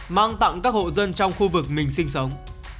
mang tặng các hộ dân trong khu vực mình sinh sống